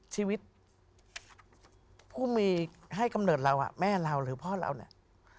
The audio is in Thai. ชีวิตผู้มีให้กำเนิดเราอ่ะแม่เราหรือพ่อเราเนี่ย